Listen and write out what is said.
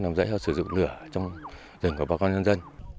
làm rẫy hoặc sử dụng lửa trong rừng của bà con nhân dân